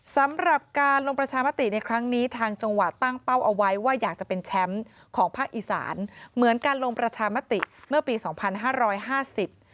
สำหรับการลงประชามติในครั้งนี้ทางจังหวัดตั้งเป้าเอาไว้ว่าอยากจะเป็นแชมป์ของภาคอีสานเหมือนการลงประชามติเมื่อปีสองพันห้าร้อยห้าสิบ